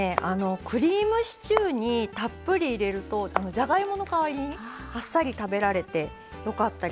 クリームシチューにたっぷり入れるとじゃがいもの代わりにあっさり食べられてよかったり